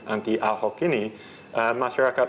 anti ahok ini masyarakat